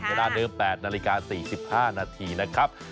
เวลาเดิม๘นาฬิกา๔๕นาทีนะครับ